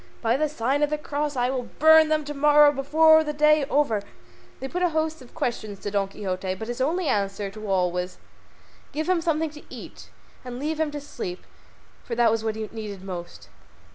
By the sign of the Cross I will burn them to morrow before the day is over." They put a host of questions to Don Quixote, but his only answer to all was give him something to eat, and leave him to sleep, for that was what he needed most.